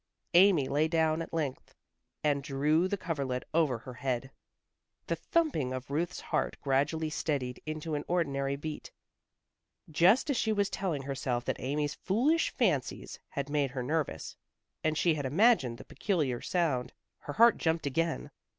Amy lay down at length and drew the coverlet over her head. The thumping of Ruth's heart gradually steadied into an ordinary beat. Just as she was telling herself that Amy's foolish fancies had made her nervous, and she had imagined the peculiar sound, her heart jumped again.